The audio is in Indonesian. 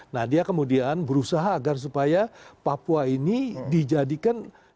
nah dia kemudian berusaha agar supaya papua ini dijadikan